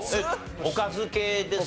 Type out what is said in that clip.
おかず系ですか？